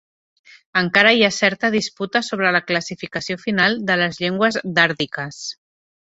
Encara hi ha certa disputa sobre la classificació final de les llengües dàrdiques.